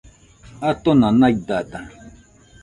Atona naidada